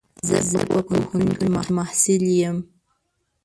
زه په پوهنتون کي محصل يم.